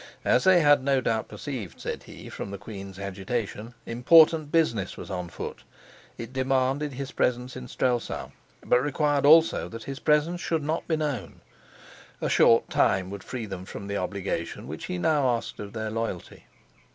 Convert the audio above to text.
As they had no doubt perceived, said he, from the queen's agitation, important business was on foot; it demanded his presence in Strelsau, but required also that his presence should not be known. A short time would free them from the obligation which he now asked of their loyalty.